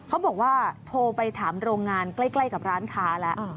เขาบอกว่าโทรไปถามโรงงานใกล้กับร้านค้าแล้ว